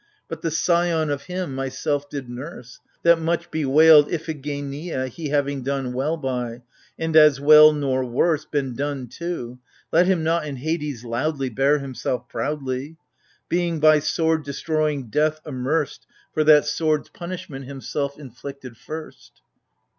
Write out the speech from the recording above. But the scion of him, myself did nurse — That much bewailed Iphigeneia, he Having done well by, — and as well, nor worse, Been done to,— let him not in Hades loudly Bear himself proudly ! Being by sword destroying death amerced For that sword's punishment himself inflicted first.